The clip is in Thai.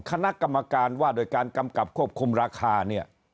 คณะกรรมการว่าโดยการกำกับควบคุมราคาเนี่ย